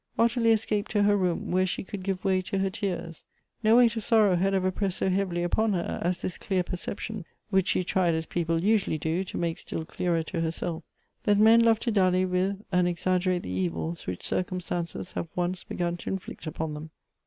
Ottilie escaped to her room, where she could give way to her tears. No weight of sorrow had ever pressed so heavily upon her as this clear perception (which she. tried, as people usually do, to make still clearer to herself,) that men love to dally with and exaggerate the evils which circumstances have once begun to inflict upon them.